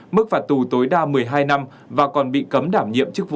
một mươi năm mức phạt tù tối đa một mươi hai năm và còn bị cấm đảm nhiệm chức vụ